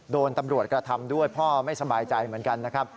โดนตำรวจกระทำด้วยพ่อไม่สบายใจเหมือนกันนะครับ